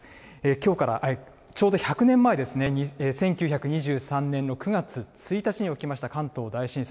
きょうから、ちょうど１００年前ですね、１９２３年の９月１日に起きました関東大震災。